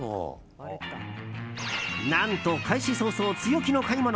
何と開始早々、強気の買い物。